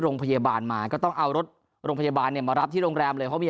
โรงพยาบาลมาก็ต้องเอารถโรงพยาบาลเนี่ยมารับที่โรงแรมเลยเพราะมี